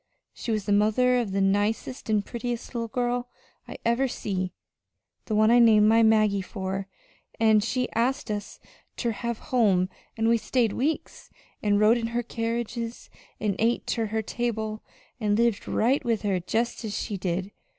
She was the mother of the nicest an' prettiest little girl I ever see the one I named my Maggie for. An' she asked us ter her home an' we stayed weeks, an' rode in her carriages, an' ate ter her table, an' lived right with her jest as she did.